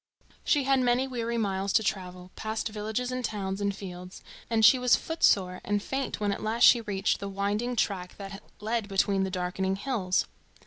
She had many weary miles to travel, past villages and towns and fields, and she was footsore and faint when at last she reached the winding track that led between the darkening hills.